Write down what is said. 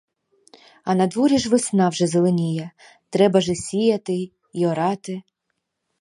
А надворі ж весна вже зеленіє, треба ж і сіяти, й орати.